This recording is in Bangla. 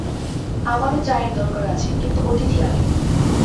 আমারও চায়ের দরকার আছে, কিন্তু অতিথি আগে।